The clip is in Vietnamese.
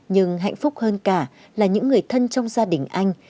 nhưng hạnh phúc hơn cả là những người thân trong gia đình anh